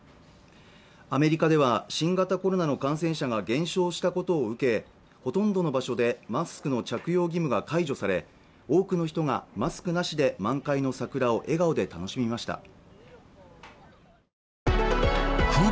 アメリカでは新型コレラの感染者が減少したことを受けほとんどの場所でマスクの着用義務が解除され多くの人がマスクなしで満開の桜を笑顔で楽しみました